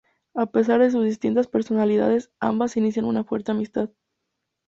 A pesar de sus distintas personalidades, ambas inician una fuerte amistad.